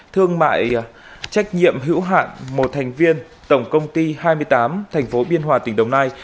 thương mại trách nhiệm hữu hạn một thành viên tổng công ty hai mươi tám thành phố biên hòa tỉnh đồng nai